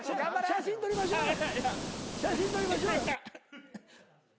写真撮りましょうよ。